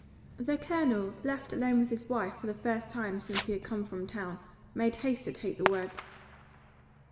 The Colonel, left alone with his wife for the first time since he had come from town, made haste to take the word.